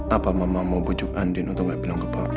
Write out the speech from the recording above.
apa mama mau bujuk andin untuk engga bilang ke papa